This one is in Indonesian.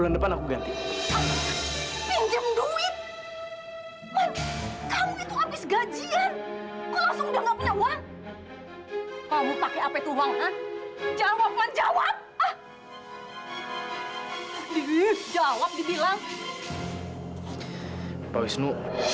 untuk bantu pak wisnu